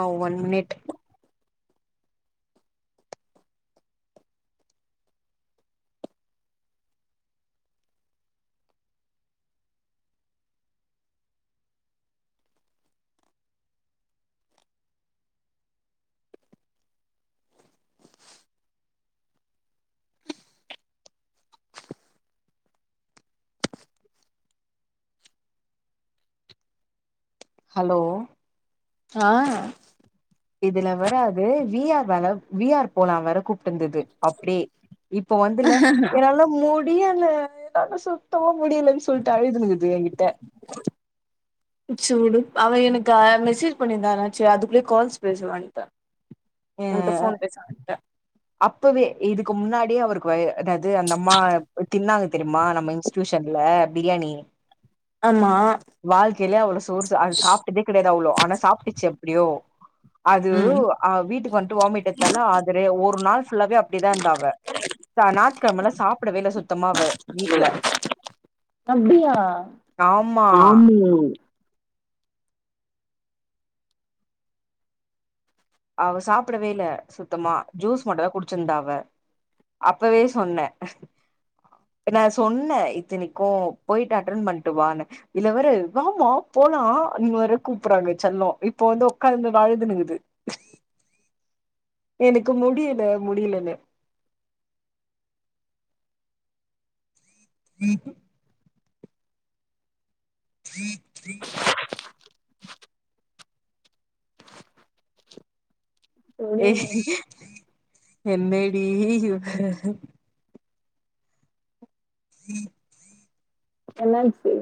ஆ one minute hello ஆ இதுல வராது விஆர் வேல விஆர் போலா வேர கூப் இருந்தது அப்டியே இப்ப வந்துல என்னால முடியல எதா சுத்தம முடியலன்னு சொல்லிட்டு அழுதுனுங்கிது என்கிட்ட சூடு அவ எனக்கு அ மெசேஜ் பண்ணியிருந்தா எனாச்சு அதுக்குள்ள கால்ஸ் பேச வண்ட அ உன்ட போன் பேச வன்ட அப்பவே இதுக்கு முன்னாடியே அவருக்கு வ அதாவது அந்த அம்மா தின்னாங்க தெரியுமா நம்ம இன்ஸ்டியூஷ [unintelligible] பிரியாணி ஆமா வாழ்க்கையில அவ்ளோ சோறு அ அது சாப்பிட்டதே கிடையாது அவ்ளோ ஆனா சாப்ட்டுச்சு எப்டியோ அது ம் அவ வீட்டுக்கு வந்துட்டு வாமிட் எடுத்தால அதுல ஒரு நாள் ஃபுல்லாவே அப்டியேதா இருந்தா அவ ஞாத்துக்கிழமலா சாப்பிடவே இல்ல சுத்தமா அவ வீட்ல ஆமா ஆமோ அவ சாப்பிடவே இல்ல சுத்தமா ஜூஸ் மட்டுந்தா குடிச்சிருந்தா அவ அப்பவே சொன்னே நா சொன்னே இத்தனைக்கு போயிட்டு அட்டன் பண்ட்டுவானு இதுலவேற வாம்மா போலா அப்டினு வேற கூப்புறாங்க செல்லொ இப்ப வந்து உக்காந்து அழுதுனுகிகுது எனக்கு முடியல முடியலனு உஹம் [unintelligible] தீ தீ [inaudible] ஏ சொல்லு என்னடி இவ உஹம் [unintelligible] என்னாச்சு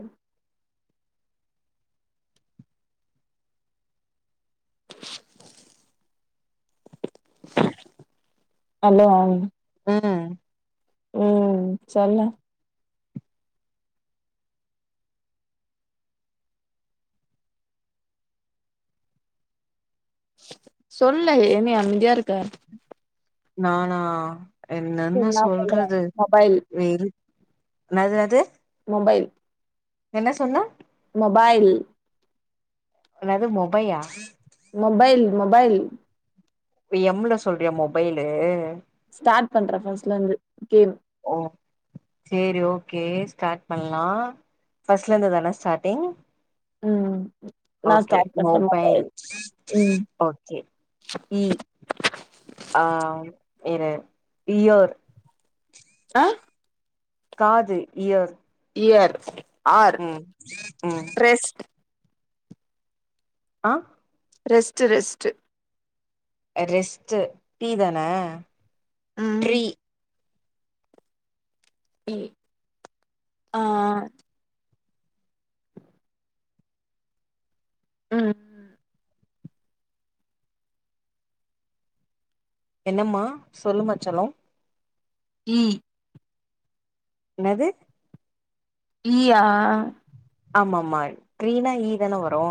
அல்லோ ஆ அ ஓ செல்லோ சொல்லு என்ன அமைதியா இருக்க நானா என்னனு சரி நா சொல்ற சொல்றது மொபைல் வெறுப் என்னது அது மொபைல் என்ன சொன்ன மொபைல் என்னது மொபையா மொபைல் மொபைல் எம்ல சொல்றியா மொபைலு ஸ்டார்ட் பண்றே ஃபர்ஸ்ட்ல இருந்து கேம் ஓ சேரி ஓகே ஸ்டார்ட் பண்லா ஃபர்ஸ்ட்ல இருந்துதானா ஸ்டாட்டிங் ம் நா ஓகே ஸ்டார்ட் பண்ற மொபைல் ம் ஓகே இ ஆ இரு இயர் ஆ காது இயர் இயர் ஆர் ம் ம் ரெஸ்ட் ஆ ரெஸ்ட்டு ரெஸ்ட்டு ரெஸ்ட்டு டீ தான ம் ட்ரீ இ ஆ ம் என்னம்மா சொல்லுமா செல்லோ இ என்னது ஈயா ஆமா ஆமா ட்ரீனா ஈதானே வரு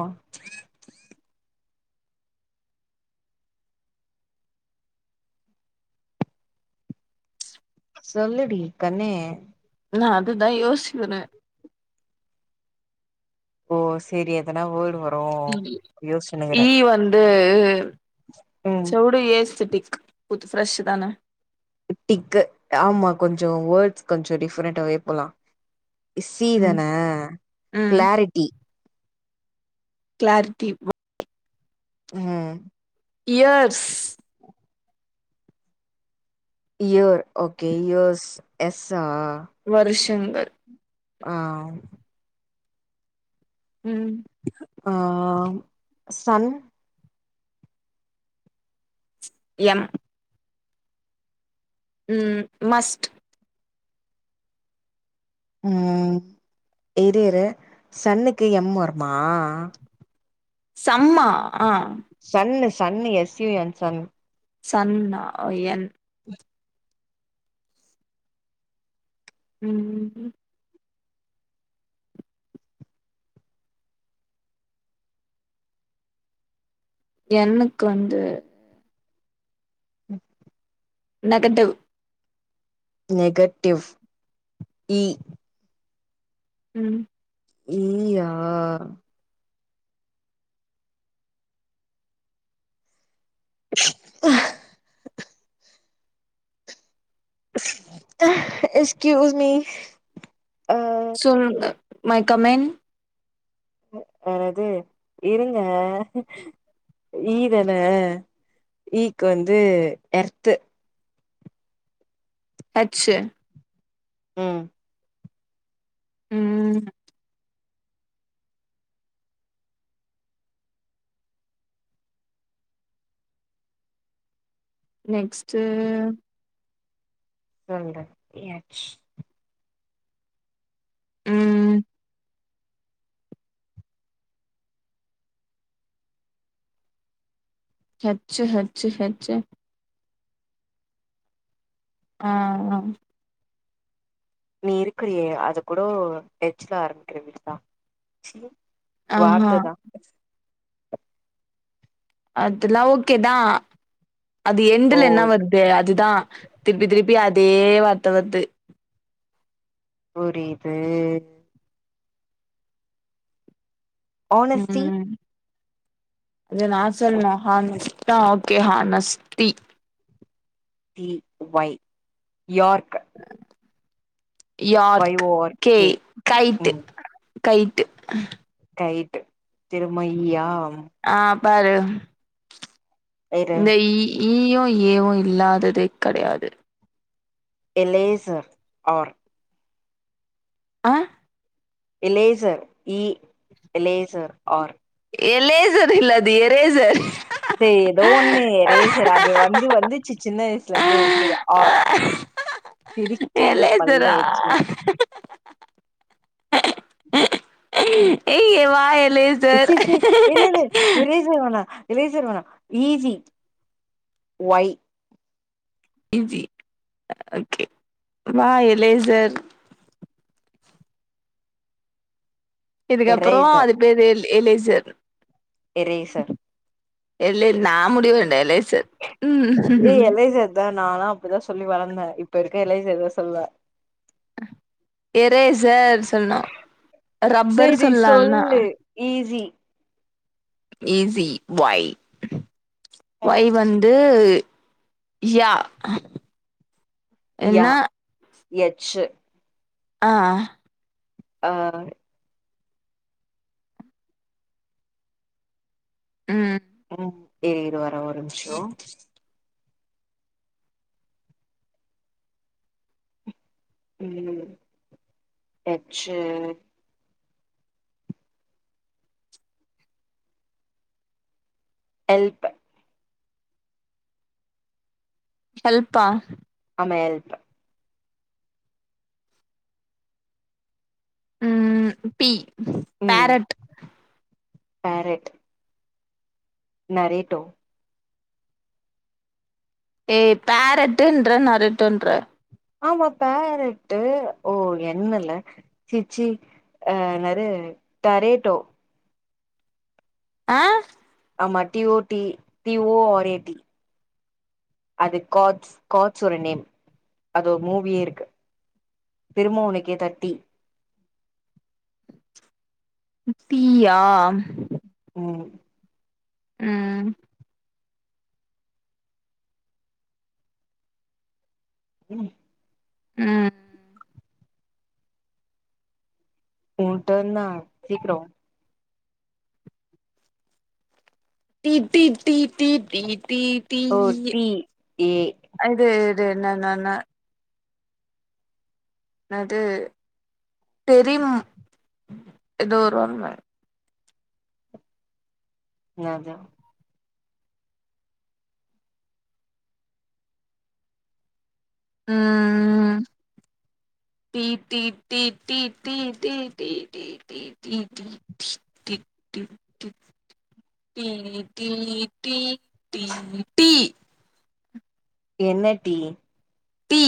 சொல்லுடி கண்ணே நா அதுதா யோசிக்குறே ஓ செரி எதனா வர்டு வ ம் ஈ வந்து ம் செர்வுடு ஏஸ்தட்டிக் புத்து ஃப்ரெஷ் தானே டிக்கு ஆமா கொஞ்சோ வர்ட்ஸ் கொஞ்ச டிஃபரெண்டாவே போலா இ ம் சீதான கிளாரிட்டி கிளார்ட்டி ம் இயர்ஸ் இயர் ஓகே இயர்ஸ் எஸ்ஸா வருஷங்கள் ஆ ம் ஆ சன் எம் ம் மஸ்ட் ம் இரு இரு சன்னுக்கு எம் வருமா சம்மா ஆ sun sun S U N sun சன்ன ஓ என் ம் ம் ம் என்னுக் வந்து ம் நகட்டிவ் நெகட்டிவ் இ ம் ஈ ஆ அ எக்ஸ்கியூஸ் மீ ஆ சொல்லுங்க மை கமின் அது இருங்க ஈ தானே ஈ க்கு வந்து எர்த்து ஹெச்சு ம் ம் நெக்ஸ்ட்டு சொல்றே எச் ம் ஹெச்சு ஹெச்சு ஹெச்சு ஆ ஆ நீ இருக்குறியே அது கூடோ ஹெச் ல ஆரம்பிக்றதுதா செ ஆஹா வார்த்த தா அதுல்லா ஓகேதா அது ஓ எண்டுல என்ன வத்து அதுதா திர்ப்பி திர்ப்பி அதே வாத்த வத்து புரீது ஆனஸ்டி ம் இரு நா சொல்ணு ஹாநெஸ்ட்டா okay honesty B Y York Y York O R K கைட்டு கைட்டு கயிட்டு திரும ஈ ஆ ஆ பாரு இரு இந்த ஈ ஈயு ஏவு இல்லாததே கெடையாது எலேசர் ஆர் அ எலேசர் இ எலேசர் ஆர் எலேசர் இல்ல அது எரேசர் சரி ஏதோ ஒண்ணு ட்ல இந்து செரி ஆர் சிரிக்காத பல்ல வச்சி ம் லேசர் ஸ்சி ஸ்சி என்னது எரேசரானா எரேசர் வேணா E G Y E G okay வா எலேசர் இதுக்கப்ற எரேசர் அது பேரு எல் எலேசர் எரேசர் எல்லேல் நா முடிவுகண்டே எலேசர் ஏ உம் எலைசர் தா நாலா அப்டிதா சொல்லி வளந்தே இப்ப இருக்க எலேசர்தா சொல்வே எரேசர்ஸ் சொல்னு ரப்பர் சேரி சொல்லா இல்னா சொல்லு ஈஸி ஈஸி வொய் வொய் வந்து யா என்னா யச்சு ஆ அ உம் உம் இரு இரு வர ஒரு நிம்ஷ உம் எச்ச எல்ப் ஹெல்ப்பா அமையல்ப்பு ம் பி ம் பேரட் பேரட் நரேட்டோ ஏ பேரட்டுன்ற நரேட்டோன்ற ஆமா பேரட்டு் ஓ என்னுல சிச்சி அ என்னரு டரேட்டோ ஆ ஆமா T O T T O R A T அது காஃட்ஸ் காஃட்ஸ்சோட நேம் அது ஒரு மூவியே இருக்கு திரும உனுக்கே தெட்டி பிய்யா ம் ம் உம் உம் ஊ டேர்ன்னா சீக்ற B B B B B B B O T A இது இது என்னனன என்னது டெரிம் எதோரு வருமே நதா ம் ம் T T T T T T T T T T T T டிட் டிப் டிப் டிட் T T T T tea என்ன டி டீ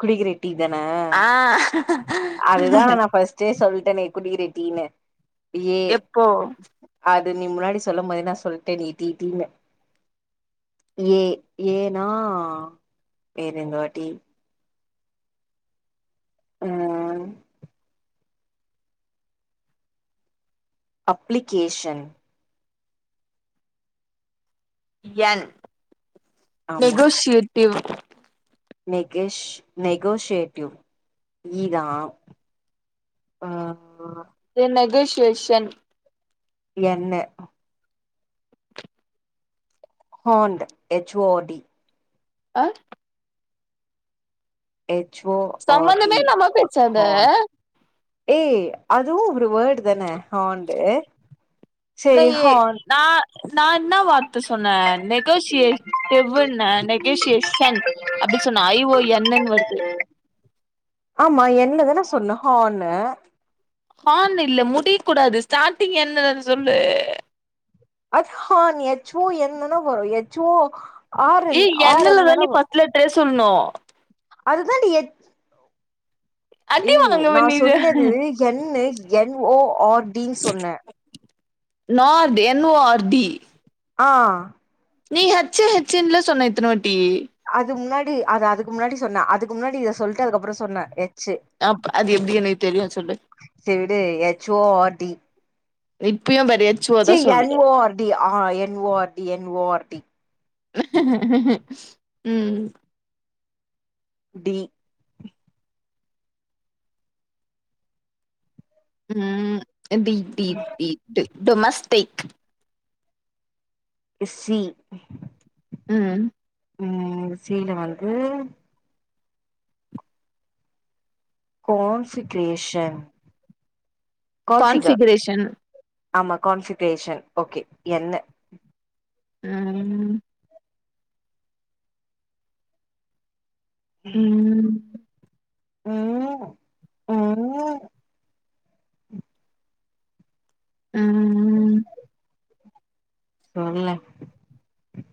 குடிக்கிற டீ தானா ஆ அதுதா நா ஃபஸ்ட்டே சொல் னனே குடிக்கிற டீனு எப்போ இது நீ முன்னாடி சொல்லும் போத நா சொல்லிட்டே நீ டீ டீனு ஏ ஏனா வேற இந்தவாட்டி அ அப்ளிகேஷன் என் நெகோசியேட்டிவ் நேகேஸ் நேகோஸ்யேடிவ் இ தா அ அ நெகோசியேஷன் என்னு ஹோண்ட் எச் ஓ ஆர் டி அ ஹெச் ஓ ஆர் சம்மந்தமே இல்லாம பேசாத ஏ அதுவு ஒரு வேட் இருக்குதான ஹண்டு நா சேரி எ ஹான் நா நா இன்னா வார்த்து சொன்ன நெகோசியேடிவ்ன நெகோசியேஷன் அப்டி சொன்னா ஐ ஓ என்னுன்னு வர்து ஆமா என்னதான சொன்ன ஹன்னு ஹன்னு இல்ல முடிய கூடாது ஸ்டார்டிங் என்ன சொல்லு அது ஹ எச் ஓ என்ந்தன வரு H O R A N R என்னல என் தான் தானே வரு ஃபர்ஸ்ட் லெட்டரே சொல்ணு அதுதான்டி [inaudible] ஏய் வாங்குவ நா நீனு சொன்னது என்னு என் ஓ ஆர் டீன்னு சொன்ன நர்த என் ஓ ஆர் டீ அ நீ ஹச்சு ஹச்சுன்ல சொன்ன இத்தனவாட் அது முன்னாடி அது அதுக்கு முன்னாடி சொன்ன அதுக்கு முன்னாடி இத சொல்ட்டு அதுக்கப்புறோ சொன்ன அப் அது எப்டி எனக்கு தெரியு சொல்லு து எச் ஓ ஆர் டி இப்பயு பட் ச் என் ஓ ஆர் டி அ N O R T N O R T ம் டி ம் T T T domestic C ம் ம் சீல வந்து கோன்ஃவிகேரேஷன் கான்ஃபிகிரேஷன் ஆமா கான்ஃவிகிரேஷன் ஓகே என்னு ம் ம் ம் ம் ம் சொல்லு